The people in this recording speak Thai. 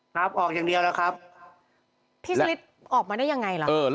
ครับออกอย่างเดียวแล้วครับพี่สลิดออกมาได้ยังไงล่ะเออ